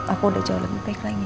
aku udah jauh lebih baik lagi